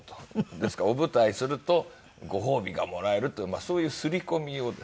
ですからお舞台するとご褒美がもらえるというそういう刷り込みをですね